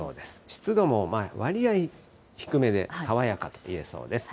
湿度もまあ、割合低めで、爽やかと言えそうです。